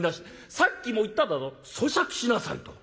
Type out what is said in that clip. さっきも言っただろうそしゃくしなさいと。